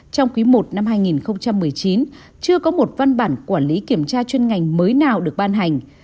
trong quý i năm hai nghìn một mươi chín chưa có một văn bản quản lý kiểm tra chuyên ngành mới nào được ban hành